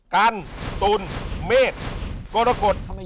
กันตุลเมษกรกฎ